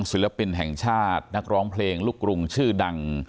ศิลปินแห่งชาตินักร้องเพลงลูกกรุงชื่อดัง